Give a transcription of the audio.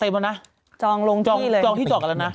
เต็มแล้วนะจองที่จอกกันแล้วนะ